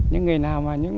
những người nào mà